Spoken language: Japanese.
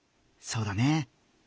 そうだね。